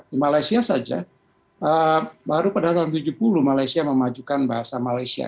di malaysia saja baru pada tahun tujuh puluh malaysia memajukan bahasa malaysia